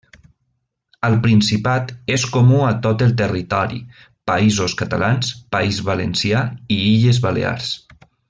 Al Principat és comú a tot el territori, Països Catalans, País Valencià i Illes Balears.